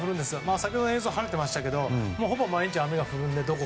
先ほどの映像では晴れていましたがほぼ毎日雨が降るので。